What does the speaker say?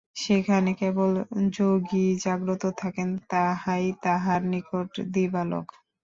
সেখানে কেবল যোগীই জাগ্রত থাকেন, তাহাই তাঁহার নিকট দিবালোক।